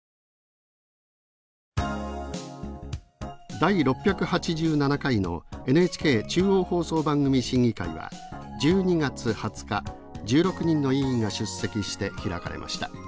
第６８７回のＮＨＫ中央放送番組審議会は１２月２０日１６人の委員が出席して開かれました。